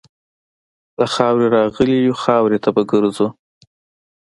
له خاورې راغلي یو، خاورې ته به ګرځو.